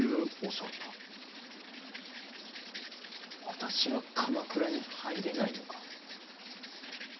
私は鎌倉に入れないのか。